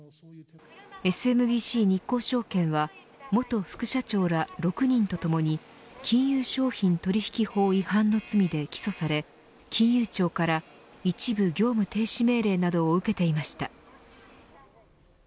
ＳＭＢＣ日興証券は元副社長ら６人とともに金融商品取引法違反の罪で起訴され金融庁から一部業務停止命令などを受けていました。